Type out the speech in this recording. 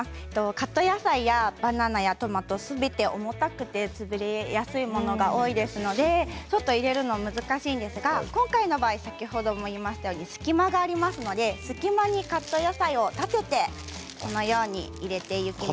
カット野菜やバナナやトマトはすべて重たくて潰れやすいものが多いですので入れるのがちょっと難しいんですが今回の場合は隙間がありますので隙間にカット野菜を立てて入れていきます。